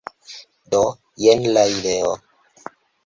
Do, jen la ideo